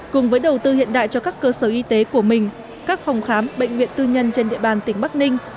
cùng với đầu tư hiện đại cho các cơ sở y tế của mình các phòng khám bệnh viện tư nhân trên địa bàn tỉnh bắc ninh